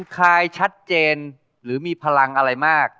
คอยนับวันให้เธอกลับมา